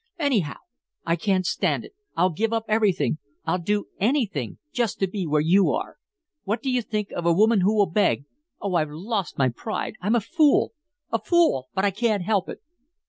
Anyhow, I can't stand it. I'll give up everything I'll do anything just to be where you are. What do you think of a woman who will beg? Oh, I've lost my pride I'm a fool a fool but I can't help it."